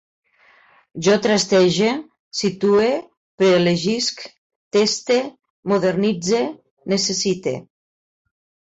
Jo trastege, situe, preelegisc, teste, modernitze, necessite